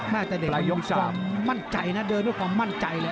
แต่เด็กมีความมั่นใจนะเดินด้วยความมั่นใจเลย